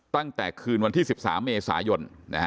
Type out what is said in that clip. ตั้งแต่คืนวันที่๑๓เมษายน